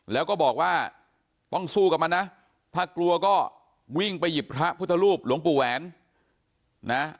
แล้วก็บอกว่าต้องสู้กับมันนะถ้ากลัวก็วิ่งไปหยิบพระพุทธรูปหลวงปู่แหวนนะ